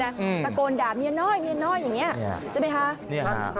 ตะโกนด่าเมียน้อยอย่างนี้ใช่ไหมคะ